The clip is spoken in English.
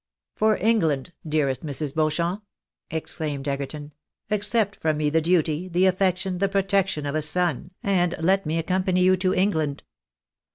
"For England! dearest Mrs. Beauchamp!" exclaimed Egerton. " Accept from nie the duty, the affection, the protection of a son, and let me accompany you to England."